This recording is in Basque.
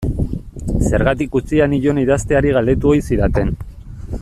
Zergatik utzia nion idazteari galdetu ohi zidaten.